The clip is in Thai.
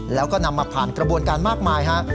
แล้วกลับมาผ่านกระบวนการมาร์กมาย